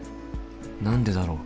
何でだろう？